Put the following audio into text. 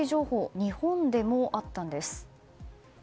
日本でもあったんです。